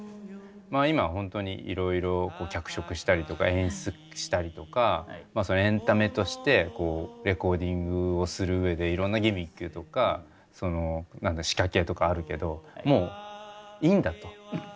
まあ今ホントにいろいろ脚色したりとか演出したりとかエンタメとしてレコーディングをするうえでいろんなギミックとか仕掛けとかあるけどもういいんだと。